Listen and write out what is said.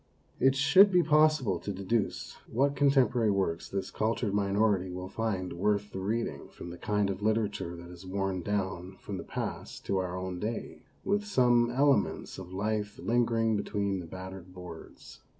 It should be possible to deduce what con temporary works this cultured minority will find worth the reading from the kind of literature that has worn down from the past to our own day, with some ele ments of life lingering between the battered boards.